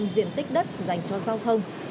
diện tích đất dành cho giao thông